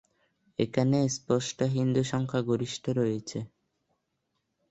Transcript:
এখানে স্পষ্ট হিন্দু সংখ্যাগরিষ্ঠ রয়েছে।